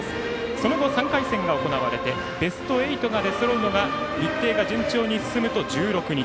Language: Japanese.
その後３回戦が行われてベスト８が出そろうのが日程が順調に進むと１６日。